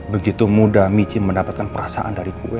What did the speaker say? begitu mudah michi mendapatkan perasaan dari gue